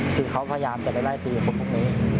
คือเขาพยายามจะได้ไล่ตีผมพรุ่งนี้